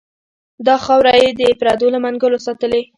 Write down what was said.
دا خاوره یې د پردو له منګلو ساتلې.